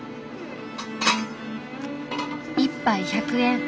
１杯１００円。